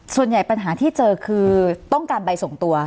ปัญหาที่เจอคือต้องการใบส่งตัว